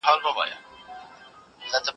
زه اوس انځور ګورم.